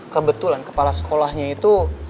kebetulan kepala sekolahnya itu